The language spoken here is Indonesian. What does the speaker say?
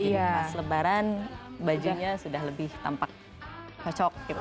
pas lebaran bajunya sudah lebih tampak cocok gitu